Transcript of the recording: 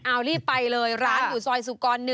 เอารีบไปเลยร้านอยู่ซอยสุกร๑